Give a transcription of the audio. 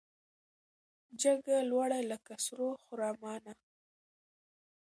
جګه لوړه لکه سرو خرامانه